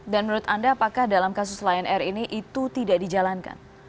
dan menurut anda apakah dalam kasus lion air ini itu tidak dijalankan